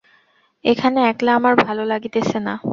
এখানে একলা আমার ভালো লাগিতেছে না।